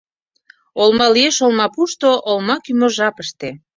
Олма лиеш олмапушто олма кӱмӧ жапыште;